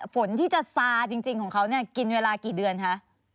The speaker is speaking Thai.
ฝนที่จะซาจริงของเขาเนี่ยกินเวลากี่เดือนคะ